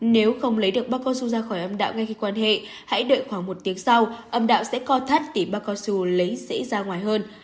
nếu không lấy được bác con su ra khỏi âm đạo ngay khi quan hệ hãy đợi khoảng một tiếng sau âm đạo sẽ co thắt tìm bác con su lấy sĩ ra ngoài hơn